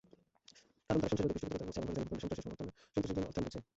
কারণ, তারা সন্ত্রাসবাদের পৃষ্ঠপোষকতা করছে এবং পাকিস্তানি ভূখণ্ডে সন্ত্রাসের জন্য অর্থায়ন করছে।